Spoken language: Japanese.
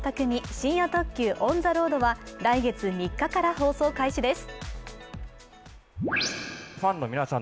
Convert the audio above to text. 深夜特急オン・ザ・ロード」は来月３日から放送開始です。